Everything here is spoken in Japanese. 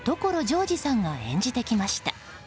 ジョージさんが演じてきました。